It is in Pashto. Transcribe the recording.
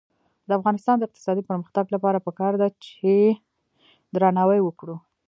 د افغانستان د اقتصادي پرمختګ لپاره پکار ده چې درناوی وکړو.